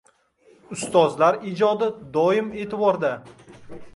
Ustozlar ijodi doim e’tiborda